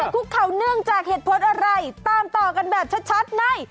คุกเขาเนื่องจากเหตุผลอะไรตามต่อกันแบบชัดใน